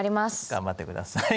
頑張ってください。